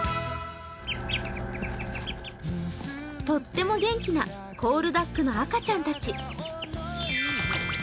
とっても元気なコールダックの赤ちゃんたち。